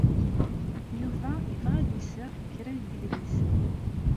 Yuba yebɣa ad d-iseɣ kra n yidlisen.